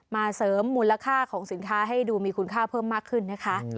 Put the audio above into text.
เสริมมูลค่าของสินค้าให้ดูมีคุณค่าเพิ่มมากขึ้นนะคะ